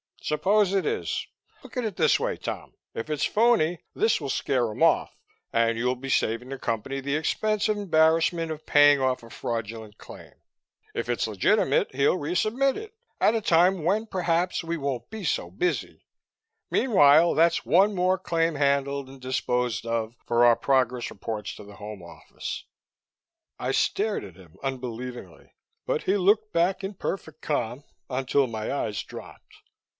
"Suppose it is? Look at it this way, Tom. If it's phoney, this will scare him off, and you'd be saving the Company the expense and embarrassment of paying off a fraudulent claim. If it's legitimate, he'll resubmit it at a time when, perhaps, we won't be so busy. Meanwhile that's one more claim handled and disposed of, for our progress reports to the Home Office." I stared at him unbelievingly. But he looked back in perfect calm, until my eyes dropped.